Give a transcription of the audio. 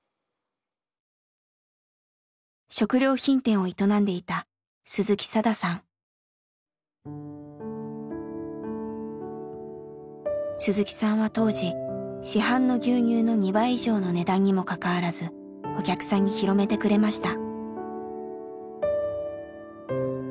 食料品店を営んでいた鈴木さんは当時市販の牛乳の２倍以上の値段にもかかわらずお客さんに広めてくれました。